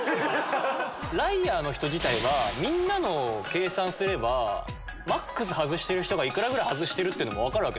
ライアーの人自体はみんなのを計算すればマックス外してる人が幾らぐらい外してるかも分かる。